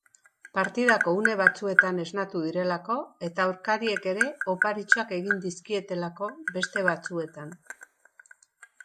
Partidako une batzuetan esnatu direlako eta aurkariek ere oparitxoak egin dizkietelako beste batzuetan.